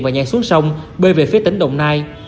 và nhan xuống sông bơi về phía tỉnh đồng nai